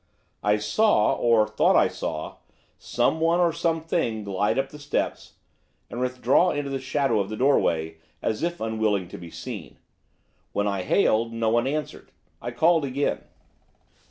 I saw, or thought I saw, someone, or something, glide up the steps, and withdraw into the shadow of the doorway, as if unwilling to be seen. When I hailed no one answered. I called again.